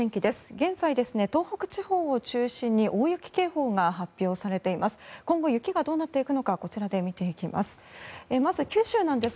現在、東北地方を中心に大雪警報が発表されています。